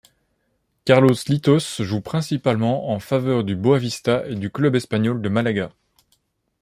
Carlos Litos joue principalement en faveur du Boavista et du club espagnol de Malaga.